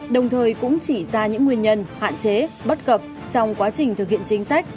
đồng thời cũng chỉ ra những nguyên nhân hạn chế bất cập trong quá trình thực hiện chính sách